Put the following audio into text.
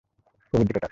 প্রভুর দিকে তাকাও।